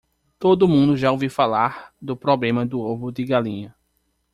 Todo mundo já ouviu falar do problema do ovo de galinha.